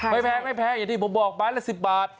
ไม่แพงอย่างที่ผมบอกหมายละ๑๐บาท